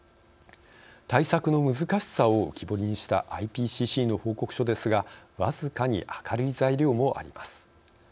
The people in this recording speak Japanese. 対策の難しさを浮き彫りにしたＩＰＣＣの報告書ですが僅かに明るい材料もあります。